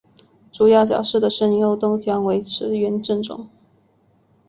主要角色的声优都将维持原阵容。